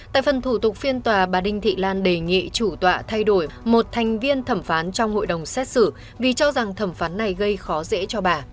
tại phần thủ tục phiên tòa bà đinh thị lan đề nghị chủ tọa thay đổi một thành viên thẩm phán trong hội đồng xét xử vì cho rằng thẩm phán này gây khó dễ cho bà